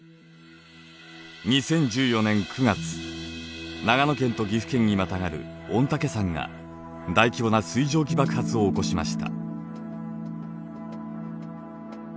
２０１４年９月長野県と岐阜県にまたがる御嶽山が大規模な水蒸気爆発を起こしました。